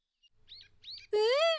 うん！